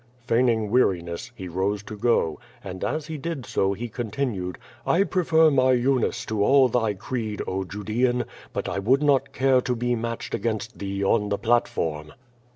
Feigning weariness, he rose to go, and as he did so he continued, 'I prefer my Eunice to all thy creed, oh, Judean, but I would not care to be matched against thee on the platform.'